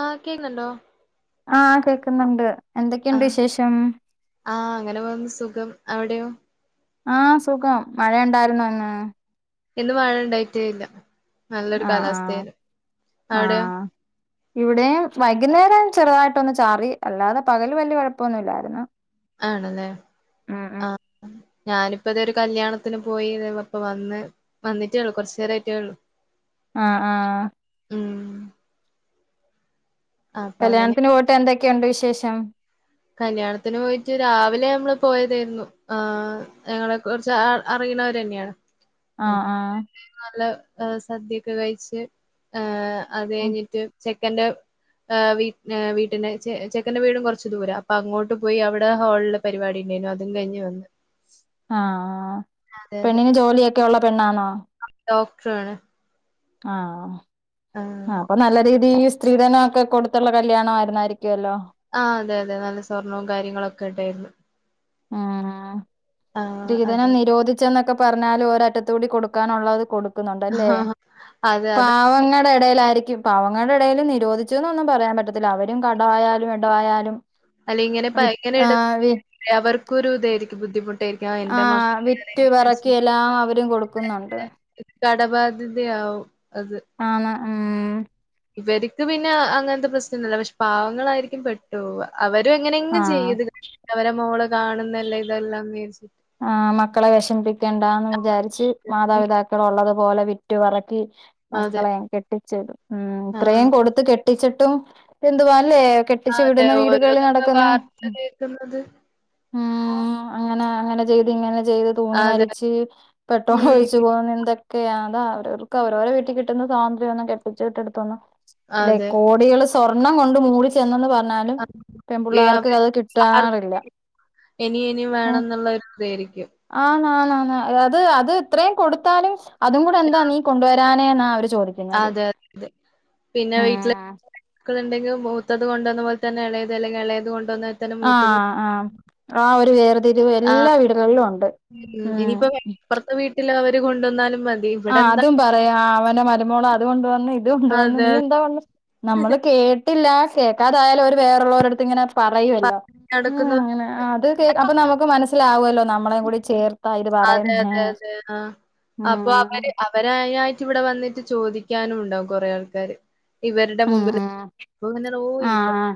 ആ കേക്കുന്നുണ്ടോ ആ കേക്കുന്നുണ്ട് എന്തൊക്കെയുണ്ട് ആഹ് വിശേഷം ആഹ് അങ്ങനെപോകുന്നു സുഖം അവിടെയോ ആ സുഖം മഴ ഉണ്ടായിരുന്നോ ഇന്ന് ഇന്ന് മഴണ്ടായിട്ടേയില്ല നല്ലൊരു ആഹ് ആഹ് കാലാവസ്ഥേയിരുന്നു അവിടെയോ ആഹ് ഇവിടെയും വൈകുന്നേരം ചെറുതായിട്ടൊന്നു ചാറി അല്ലാതെ പകൽ വലിയ കൊഴ പ്പൊന്നുല്ലായിരുന്നു ആണല്ലേ ആഹ് ഞാനിപ്പ ദേ ഒരു കല്യാണത്തിന് പോയി ദേ ഇപ്പ വന്ന് വന്നിട്ടേള്ളു കുറച്ചു നേരായിട്ടേള്ളു അ ആഹ് ഊം കല്യാണത്തിന് പോയിട്ട് എന്തെ ക്കെയുണ്ട് വിശേഷം കല്യാണത്തിന് പോയിട്ട് രാവിലെ നമ്മള് പോയതേയിരുന്നു ആഹ് ഞങ്ങളെ കുറിച്ച് അ അറിയുന്നവരെ ന്ന്യേണ് ആഹ് ആഹ് ആഹ് സദ്യൊക്കെ കഴിച്ച് ആഹ് അത് കഴിഞ്ഞിട്ട് ചെ ക്കെന്റെ ഏഹ് വീ ഏ വീട്ടിന്റെ ചെ ചെക്കന്റെ വീടും കൊറച്ച് ദൂരാ അ അങ്ങോട്ട് പോയി അവിടെ ഹോള് ള്പരിപാടി ഇണ്ടായിന്നു അതും കഴിഞ്ഞ് വന്നു ആഹ് പെണ്ണിന് ജോലിയൊക് ഒക്കെയുള്ള പെണ്ണാന്നോ അഹ് ഡോക്ടറാണ് ആഹ് ആഹ് ആഹ് അപ്പൊ നല്ല രീതിയില് സ്ത്രീധനോക്കെ കൊടുത്ത്ള്ള കല്യാണായിരുന്നായിരിക്കോല്ലോ ആഹ് അതെ അതെ നല്ല സ്വർണ്ണവും കാര്യങ്ങളൊക്കെ ഇഡാരുന്നു ആഹ് സ്ത്രീധനം അതെ നിരോധിച്ചെന്നൊക്കെ പറഞ്ഞാലും ഒരറ്റത്തൂടി കൊടുക്കാനൊള്ളത് കൊടു ക്കുന്നണ്ടല്ലേ അത് അത് പാവങ്ങടെ എടേലായിരി ഈ പാവങ്ങടെ എടേല് നിരോധിച്ചെന്നൊന്നും പറയാൻ പറ്റത്തില്ല അവരും കടായാലും എടായാലും അല്ലെ ഇങ്ങനെ പ ഇങ്ങനെ ഇടു അവർക്കൊരു ഇതായിരി ബുദ്ധിമു ആ വിറ്റ്പെറക്കി എല്ലാം, അവരും കൊടുക്കുന്നൊണ്ട്- ഇത് കടബാധ്യതയാവും. ആണ്- ഉം- ഇവരിക്ക് പിന്നെ അങ്ങനത്തെ പ്രശ്നൊന്നുമില്ല പക്ഷേ പാവങ്ങളായിരിക്കും, പെട്ടുപോവുക. അവരും എങ്ങനെ ആഹ് എങ്ങുംചെയ്തിടും. അവരെ മോള്. കാണുന്നെല്ലാം ഇതെല്ലാം മേടി.. ആ മക്കളെ വെഷമിപ്പി ക്കേണ്ടാന്നു, വിചാരിച്ച് ഉം മാതാപിതാക്കൾ ഒള്ള തൊക്കെ.. പോലെ വിറ്റു പെറുക്കി. അതെ മക്കളെ കെട്ടി.. [unintelligible] ഉം ഇത്രയും ആഹ് കൊടുത്ത് കെട്ടിച്ചിട്ട്. എന്നിട്ടും എന്തുവാനീ ഇതല്ലേ അതെ കെട്ടിച്ചുവിടുന്ന വീടുകളിൽ ഓരോന്നൊക്കെ നടക്കുന്നേ. വാർത്ത കേക്കുന്നത് ഉംഅങ്ങനെ അങ്ങനെയ- ഇങ്ങനെചെയ്ത്‌ തൂങ്ങി അതെ മരിച്ചു ഉം പെട്രോൾഒഴിച്ചുകൊന്നു എന്തൊക്കെ ഇതെക്കയാ അതാ അവരവർക്ക് അവരുടെ വീട്ടിൽ കിട്ടുന്ന സ്വാതന്ത്ര്യം ഒന്നും കെട്ടിച്ച് വിട്ടടുത്തൊന്നും. അല്ലേ അതെ കോടികൾ സ്ത്രീ സ്വർണ്ണം കൊണ്ട്മൂടിച്ചെ ന്നെന്ന് പറഞ്ഞാ [unintelligible] കിട്ടാറില്ല ഇനിം ഇനിം വേണന്നുള്ള ഇതായിരിക്കും. ആണാണ് ആണ് അത് അത് ഇത്രയും കൊടുത്താലും. അതുംകൂടെ എന്താ നീ കൊണ്ടുവരാഞ്ഞ ഞ്ഞെ അവർ ചോദി- അതെയതെ സത്യം പിന്നെ വീട്ടില്നിക്കു ഇത് മൂത്തത് കൊണ്ടുവന്ന പോലെതന്നെ ഇളയത് ഇളയത്കൊണ്ടുവന്ന ആ ആ ആ ഒരു വേർതിരിവ് ആ എല്ലാ വീടുകളിലും ഉണ്ട്. എന്ത്കൊണ്ടുവന്നാലും മനസി- ആ അതും പറയും അവന് മര മോള് അതുകൊണ്ടു വാ- ഇതുകൊണ്ടുവന്ന് അതെ നീ എന്താ വന്നേ നമ്മള് കേട്ട് ഇല്ല കേൾക്കാതായാലും അവര് വേറുള്ളള്ളര്ടുത്ത് ഇങ്ങനെ പറയുമല്ലോ പറഞ്ഞ് നടക്കുന്നു മ്മ് അത് അപ്പോ നമുക്ക് മനസിലാവല്ലോ നമ്മളേ കൂടി ചേർത്താ ഇത് അതെ പറയുന്നേ അതെ അതെ ആ അപ്പൊ മ്മ് അവര് അവരാ യായിട്ട് ഇവിടെ വന്നിട്ട് ചോദിക്കാനും ഉണ്ടാവും കൊറെേ ആൾക്കാര് ഇവരുടെ ഉം മുമ്പിൽന ഉം [unintelligible] ആഹ്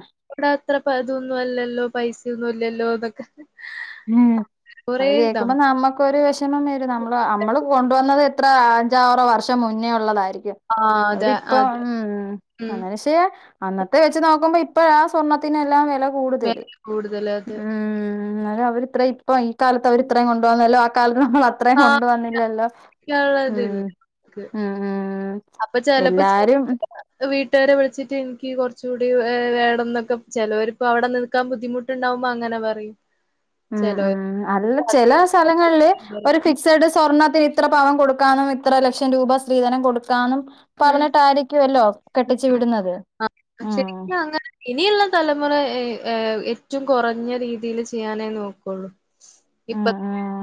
അത്ര ഇതൊന്നും അല്ലല്ലോ പൈസയൊന്നും ഇല്ലല്ലോ അതൊക്കെ മ്മ് അത് കേൾക്കുമ്പോ നമ്മുക്കൊരു വിഷമം വരും നമ്മ അമ്മള് കൊണ്ടുവന്നത് എത്ര അഞ്ചോ ആറോ വർഷം മുന്നേ ഉള്ളതായി രിക്കും ആ അതെ അവരിപ്പ അതെ മ്മ് ഉം അങ്ങനച്ച്യ അന്നത്തെ വെച്ച് നോക്കുമ്പോ ഇപ്പഴ സ്വർണത്തിനെല്ലാം വില കൂടുതൽ വില കൂടുതല് അത് മ്മ് മ്മ് അത് രുത്ര അപ്പ ഈ കാലത്ത് അവരിത്രയും കൊണ്ടു വന്നല്ലോ നമ്മൾ അത്രയും ആ കൊണ്ടുവന്നില്ലല്ലോ മ്മ് ഇതില്ല മ്മ് മ്മ് അപ്പൊ ചിലപ്പോ ചില വീട്ടുകാരെ വിളിച്ചിട്ട് എനിക്ക് കുറച്ച് കൂടി വേണന്നൊക്കെ ചിലവരിപ്പോ അവിടെ നിൽക്കാൻ ബുദ്ധിമുട്ട്ണ്ടാവുമ്പോ അങ്ങനെ പറയും മ്മ് ചെലോര് മ്മ് അല്ല ചില സ്ഥലങ്ങളില് ഒരു ഫിക്സഡ് സ്വർണ്ണത്തിന് ഇത്ര പവൻ കൊടുക്കാന്നും ഇത്ര ലക്ഷം രൂപ സ്ത്രീധനം കൊടുക്കാന്നും മ്മ് വിടുന്നത് ഉം ശരിക്കും അങ്ങനെ ഇനിയുള്ള തലമുറ ഏറ്റം കുറഞ്ഞ രീതിയിൽ ചെയ്യാനേ നോക്കുള്ളൂ ഇപ്പൊ മ്മ് മ്മ്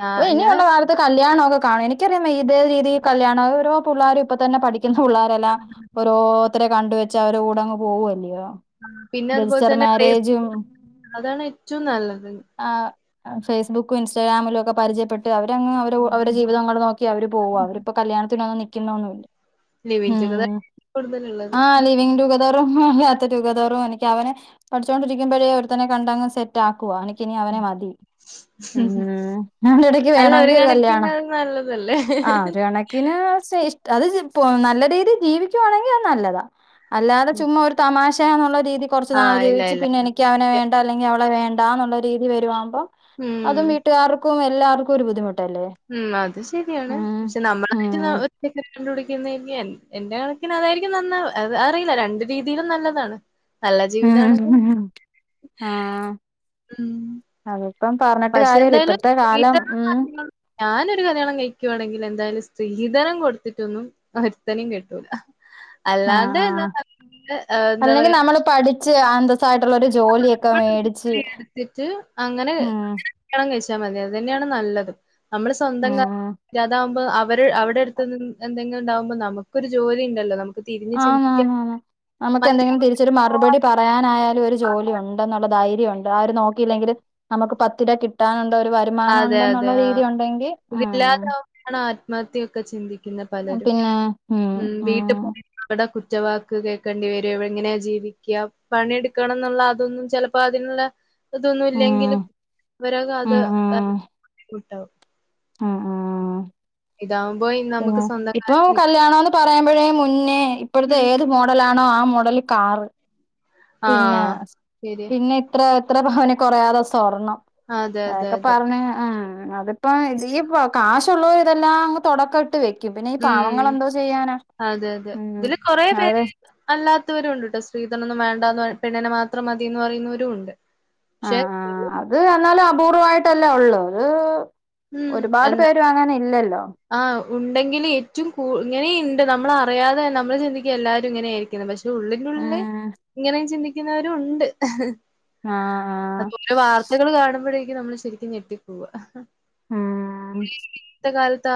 ഞാ ഓഹ് ഞാൻ ഇനിയുള്ള കാലത്ത് കല്യാണോ കാണുവോ എനിക്കറിയാൻവയ്യ ഇതേ രീതിൽ കല്യാണം ഓ പിള്ളോരിപ്പം തന്നെ പഠിക്കും പിള്ളാരെല്ലാം ഓരോരുത്തരെ കണ്ട് വെച്ച് വച്ച് അവരെ കൂടങ്ങ് പോവൂല്ലയോ പിന്നെ അതുപോലെ തന്നെ [unintelligible] അതാണ് ഏറ്റവും നല്ലത് ആഹ് ഫേസ്ബുക്കും ഇൻസ്റ്റാഗ്രാമിലും ഒക്കെ പരിചയപ്പെട്ടു അവര് അങ്ങ് അവരുടെ ജീവിതംങ്ങ നോക്കി അവര് പോകും അവരിപ്പ കല്യാണത്തിനൊന്നും കണ ഒന്നുമില്ല ലിവിംഗ് ടുഗെതർ കൂടുതലുള്ളത് മ്മ് മ്മ് ടുഗെതറും എനിക്ക് അവനെ പഠിച്ചുകൊണ്ടിരിക്കുമ്പോഴേ ഒരുത്തനെ കണ്ടങ്ങ് സെറ്റ് ആക്കുവ എനിക്കിനി അവനെ മതി ഉം [unintelligible] ഇടക്ക് അല്ല വേണോങ്കി ഒരു കണക്കിന് കല്യാണം അത് നല്ലതല്ലേ ആ ഒരു കണക്കിന് സേശ് അത് ജിപ്പൊ നല്ല രീതിയിൽ ജീവിക്കുവാണെങ്കി അത് നല്ലത അല്ലാതെ ചുമ്മാ ഒരു തമാശ ട്ടെന്നുള്ള രീതി നി കുറച്ച് നാള് ആഹ് ഇല്ല ജീവിച്ച് ഇല്ല പിന്നെ എനിക്ക് അവനെ വേണ്ട അല്ലെങ്കി അവളെ വേണ്ട ണ്ടാന്നുള്ള രീതി വരുവാവുമ്പോ ഉം അതും വീട്ടുകാർക്കും എ എല്ലാർക്കൊരു ബുദ്ധിമുട്ട ഉം അത് ശരിയാണ് പഷെ നമ്മളായിട്ട് ന്ന ഉം ഒറ്റക്കൊരു കണ്ടുപി ടിക്കുന്നേന്റെയാണ് എൻറെ കണക്കിന് അതായിരിക്കും നന്നാവ അത് അറിയില്ല രണ്ട് രീതിയിലും നല്ലതാണ് നല്ല ജീവിതാണെങ്കിൽ ആഹ് അതെ പഷെ എന്തായാലും ഉം [unintelligible] ഞാനൊരു കല്യാണം കഴിക്കുവാണെങ്കി എന്തായാലും സ്ത്രീ സ്ത്രീധനം കൊടുത്തിട്ടൊന്നും ഒരുത്തനീം കെട്ടൂല അല്ലാണ്ട് എന്താ ആഹ് നല്ല ഏഹ് എന്താ അല്ലെങ്കി പറയാ നമ്മള് പഠിച്ച് അന്തസായി എടുത്തിട്ട് അങ്ങനെ ഉം കല്യാണം കഴിച്ചാൽ മതി. അത് തന്നെയാണ് നല്ലത് നമ്മള് സ്വന്തം ഉം കാലി നിക്കാതാവു അവര് അവ്ടെ അടുത്ത് എന്തെ എന്തെങ്കിലും ഉണ്ടാവുമ്പോ നമുക്കൊരു ജോലി ഇണ്ടല്ലോ നമുക്ക് തിരിഞ്ഞ് ചിന്തിക്കാൻ ആന്നാന്നാന്ന് നമുക്ക് മ എന്തെങ്കിലും തിരിച്ചൊരു മറുപടി പറയാനായാലും ഒരു ജോ ജോലി ഉണ്ടന്ന്ള്ളതാ ധൈര്യ ഉണ്ട് ആരും നോക്കിയില്ലെങ്കിലും നമുക്ക് പത്ത് രൂവ കിട്ടാന് [unintelligible] അതെ അതെ ആ ഉം ഇതില്ലാതാവുമ്പൊയാണ് ആത്മഹ ത്യയൊക്കെ ചിന്തി പിന്നെ പലരും ഉം വീട്ടി പോയ അവടെ കുത്തി വാക്ക് കേൾക്കേണ്ടി വരും ഇ എങ്ങനെയാ ജീവിക്കുക പണിയെടുക്കണം എന്നുള്ള അതൊന്നും ചിലപ്പോ അതിനുള്ള പ്പൊ ഇതൊന്നും ഉം ഇല്ലെങ്കിലും വര കഥ കുട്ടവ് മ് മ് ഉം നമുക്ക് സ്വന്തം ഇപ്പൊ കാലിൽ നിൽക്കാം. കല്യാണംന്ന് പറയുമ്പൊഴേ മുന്നേ ഇപ്പഴത്തെ ഉം. ഏത് മോഡലാണോ ആ മോ മൊടല് കാറ് ആ. പിന്നെ ശരിയാ. പിന്നെ ഇത്ര ഇത്ര പവനി കൊറയാതെ സ്വർണ്ണം അതെ, ആ അതെ, ക്ക അതെ. പർഞ്ഞ് ആ അതിപ്പോ ഇത് ഈ കാശുള്ളവര് ഇതെല്ലാം അങ്ങ് തുടക്കം ഇട്ട് വെ ഉം അതെ അതെ ഉം തില് കൊറെ അത് പേര് അല്ലാത്ത ചിലരുണ്ട് കേട്ടോ സ്ത്രീധനം വേണ്ട എന്ന് പെണ്ണിനെ മാത്രം മതിയന്ന് പറയുന്നവരും ഉണ്ട് ആ പക്ഷെ ആ അത് എന്നാലും അപൂർവമായിട്ടല്ലേ ഉള്ളൂ ഒരു ഒരുപാട് ഉം. പേര അങ്ങനെ ഇല്ലല്ലോ ആഹ് ഉണ്ടെങ്കിൽ ഏറ്റവും കൂ ഇങ്ങനെയ ഉണ്ട് നമ്മള അറിയാതെ നമ്മൾ ചിന്തിക്ക എല്ലാരും ഇങ്ങനെയ ആയിരിക്കുന്നു പക്ഷെ പക്ഷ ഉള്ളിന്റെള്ളിൽ ഉം ഇങ്ങനെയ ചിന്തി ക്കുന്നവരും ഉണ്ട്. ആ ആ അ ഓരോ വാർത്തകൾ കാണുമ്പോഴേ നമ്മള് ശരിക്കും ഞെട്ടി പോവാ ആ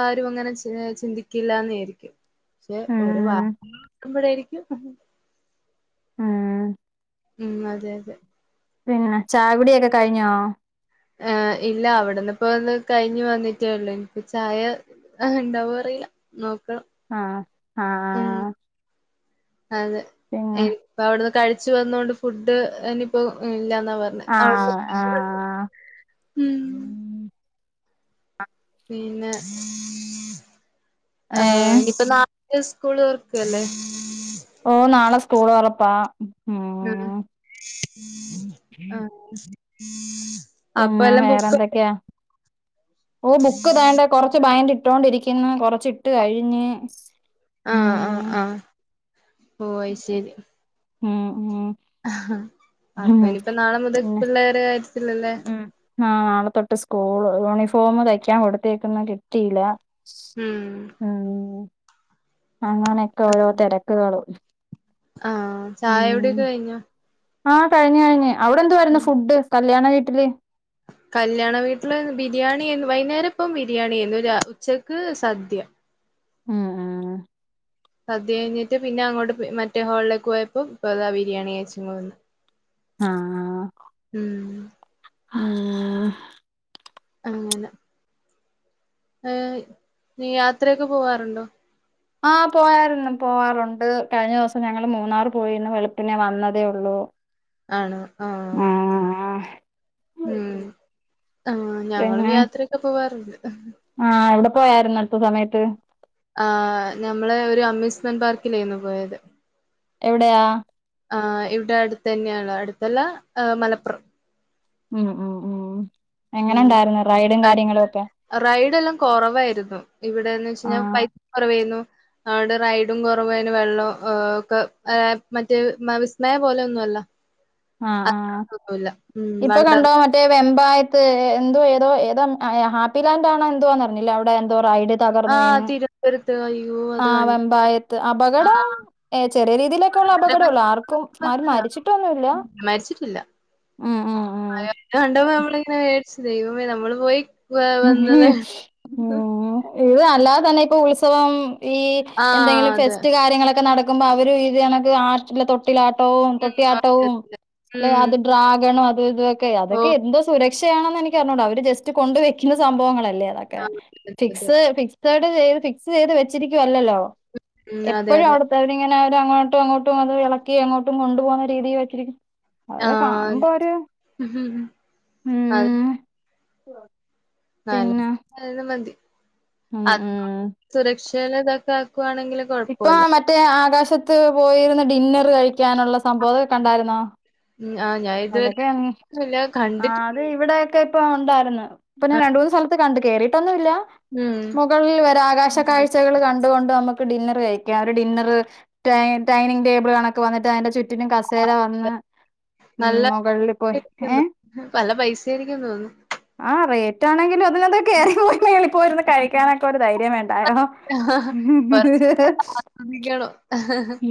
ആരും അങ്ങനെ ചിന്തിക്കില്ലന്ന ആയിരിക്കും പക്ഷെ ഒരു വ ഉം [unintelligible] യിരിക്കും ഉം ഉം അതെ അതെ പിന്നെ ചായ കുടിയൊക്കെ കഴിഞ്ഞോ ആ ഇല്ല അവിടെന്ന്പ്പോ ഒന്ന് കയിഞ് വന്നിട്ടേള്ളൂ ഇനിപ്പ ചായ അഹ് ഉണ്ടവോ അറില്ല നോക്കണം ആഹ ഉം ആഹ അതെ ഇപ്പ അവിടുന്ന് കഴി ച്ച് വന്നോണ്ട് ഫുഡ് ഇനിപ്പൾഇല്ല ആഹ് ആഹ് [unintelligible] പിന്നെ ആ ഏഹ് ഇനിയിപ്പൊ നാ സ്കൂള് തുർക്കല്ലേ ഓ നാളെ സ്‌ കൂൾതുറാപ്പാ ഉഹ ആഹ [inaudible] അപ്പൊ പിന്നെ എല്ലാം ബുക്ക്‌ വേറെന്തൊക്കെയാ ഓ ബുക്ക് തണ്ടേ കുറച്ചു ബാഗ് ട്ടൊണ്ടിരിക്കുന്ന് കൊറച്ചിട്ട് കഴിഞ്ഞ് ആഹ് ആഹ് ആഹ ആഹ് ഓ അയ് ശരി ഉം ഉം ആഹ ഉം അപ്പൊ ഇനിയിപ്പോ നാളെ മുതൽ പിള്ളേരെ ല്ലല്ലേ ആ നാളെ തൊട്ട് സ്കൂൾ യൂണിഫോം തയ്ക്കാൻ കൊടുത്തേക്കുന്ന കിട്ടിയില്ല ഹം ഉം അങ്ങനെയൊക്കെ ഓരോ തെ രക്കുകളും ആ ചായ കുടിയൊക്കെ കഴിഞ്ഞോ ആ കഴിഞ് കഴിഞ് അവിടെ എന്തുവാരുന്ന് ഫുഡ് കല്യാണ വീട്ടില് കല്ല്യാണ വീട്ടില് ബിരിയാണി യേന്ന് വൈകുന്നേരം ഇപ്പം ബിരിയാണിയേഴ്ന്ന് രാ ഉച്ചക്ക് സദ്യ ഉം സദ്യ കഴിഞ്ഞിട്ട് പിന്നെ അങ്ങോട്ട് പോയ് മറ്റേ ഹോളിലേക്ക് പോയപ്പോ ഇപ്പദാ ബിരിയാണി കഴിച്ചിങ്ങുവന്ന് ആ ആ [unintelligible] അങ്ങനെ ഏയ് നീ യാത്രയൊക്കെ പോവാറുണ്ടോ ആ പോയായിരുന്ന് പോവാറുണ്ട് കഴിഞ്ഞ ദിവസം ഞങ്ങൾ മൂന്നാർ പോയിരുന്നു വെളുപ്പിനെ വന്നതേ ഒള്ളൂ ആണോ ആ ഉം ആ ഞങ്ങളും യാത്രയൊക്കെ പോവാറുണ്ട് ആ എവിടെ [unintelligible] പോയാരുന്ന അടുത്ത സമയത്ത് ആ ഞമ്മളെ ഒരു അമ്യൂസ്മെന്റ് പാർക്കിലേ രുന്നു പോയത് എവിടെയാ ആ ഇവിടെ അടുത്തന്നെയാ [unintelligible] അടുത്തല്ല ആ മലപ്പുറം ഉം ഉം ഉം എങ്ങനെ ഉം. ഉണ്ടായിര്ന്ന് റൈഡും കാര്യങ്ങളും ഒക്കെ കൊറവേരുന്നു ഇവിടേന്ന് വെച്ച് [unintelligible] ആഹ് പൈ [unintelligible] കൊറവേര്ന്നു [unintelligible] റൈഡും കൊറവേര്‌ന്ന്‌ വെള്ളും ഒ ഒക്കെ ഏ മറ്റേ മ വിസ്മയ പോലെ ഒന്നും അല്ല ആ ആ അത്രക്കൊന്നുല്ല. ഉം ഇപ്പൊ കണ്ടോ വണ്ടർലാ മറ്റേ വെമ്പായ [unintelligible] എ ന്തോഏതോ ഏതാ ഹാപ്പി ലാന്റാണോ എന്തുവാന്നറിഞ്ഞില്ല അവിടെ എന്തോ റൈഡ് തകർന്ന് ആഹ് വീണ് തിരുവനന്തപുരത്ത് അയ്യോ ആ അത് കണ്ട്. വെമ്പായത്ത് അപകടം ആഹ് ഏ ചെറിയ രീതിയിലൊക്കെള്ള അപകടൂള്ളൂ ആർക്കും ആരും മരിച്ചിട്ടൊന്നൂല്ല മരിച്ചിട്ടില്ല. ഉം ഉം ഉം [unintelligible] വേമ നമ്മള് പോയി വ വന്നത് [unintelligible] ഇത് അല്ലാതെ തന്നെ ഇപ്പൊ ഉത്സവം ഈ ആഹ് എന്തെങ്കിലും അതെ ഫെസ്റ്റ് കാര്യങ്ങളൊക്കെ നടക് [unintelligible] അവരും ഇത് [unintelligible] ട്ടിലാട്ടവും ഉം അതെ തൊട്ടിയാട്ടവും അതെ അല്ലെ ഉം അത് ഡ്രാഗണും അത് [unintelligible] [unintelligible] ഓ അതൊക്കെ എന്തോ സുരക് [unintelligible] ക്ഷയാണെന്നെനിക്കറിഞ്ഞൂടാഅവര് ജസ്റ്റ് കൊണ്ട് വെക് [unintelligible] സംഭവങ്ങളെ ലെ അതൊക്കെ അതെ അതെ ഫിക്സ് [unintelligible] ഫിക്സ് ചെയ്ത് വെച്ചിരിക്കുവല്ലല്ലോ ഉം അതെ എപ്പോഴും അതെ അവിടുത്തന്നിങ്ങനെ അവരങ്ങോട്ടും അങ്ങോട്ടും അത് ഇളക്കി അങ്ങോട്ടും കൊണ്ടു പോകുന്ന രീതിയിൽ വച്ചിരിക് അതൊകെ ആഹ് കാണുമ്പോര് ഉം [inaudible] പിന്നെ നാല്നാല മതി ഉം അത് സുരക്ഷയിലതൊക്കെ ഇപ്പ മറ്റേ ആകാശ ത്ത് പോയിരുന്ന ഡിന്നർ കഴിക്കാനുള്ള സ് സംഭവൊക്കണ്ടാരുന്നോ ഉം ആഹ് ഞാൻ ഇതുവരെ അതൊക്കെ അങ്ങ് ഇല്ല കണ്ടിട്ടില്ല ആഅത് ഇവിടൊക്കെ ഇപ്പ ഉണ്ടായിരുന്നു ഇപ്പ ഞാൻരണ്ടൂന്ന് സ്ഥലത്ത് കണ്ടക് കേറിയിട്ടൊന്നുമില്ല ഉം മുകളിൽ വരെ ആകാശ കാഴ്ചകൾ കണ്ടുകൊണ്ട് നമുക്ക് ഡിന്നർ കഴിക്ക ഡിന്നറ് ടൈനിങ്ങ് ടേബിള്കണക്ക് വന്നിട്ടതിൻ്റെ ചുറ്റ് ന്നും കസേര വന്ന് ഉം നല്ല മുകളിൽ പോയി ഏ പല പൈസായിരിക്കു തോന്ന്ന്ന് ആ റേറ്റാണെങ്കിലും അതിനകത്ക്ക കേറി പോയി പ്പോ ഇരുന്ന് കഴിക്കാനൊക്കെ ഒരു ധൈര്യം വേണ്ടായോ ഉ വേറെ ശ്രദ്ധിക്കണം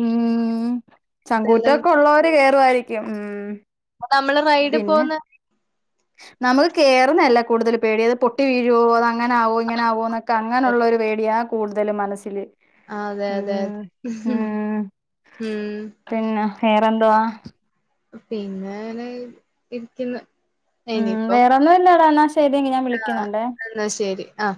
ഉം അതെല്ലാം ചങ്കൂറ്റൊക്കെ ഉള്ളവര് കേയ വാരിക്കും ഉം നമ്മള് റൈഡിൽ പിന്നെ പോന്ന നമുക്ക് കേറുന്നതല്ല കൂടുതൽ പേടിയ അത് പൊട്ടി വീഴുവോ അത അങ്ങനാകോ എങ്ങന ആാവോ എന്നൊക്കെ അങ്ങനെയുള്ള ഒരു പേടിയാണ് കൂടുതൽ മനസ്സിൽ അതെ അതെതെ ഉം വേറെന്തോവാ പിന്നെനെ ഇരിക്കുന്ന ഉം വേറൊ ന്നും ഇല്ലാടാന്ന ഏതെങ്കും ഞാൻ ആ വിളിക്കുന്നുണ്ടേ എന്നാ ശരി ആ